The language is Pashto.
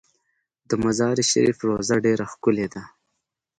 د مزار شریف روضه ډیره ښکلې ده